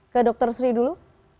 ke dokter sri dulu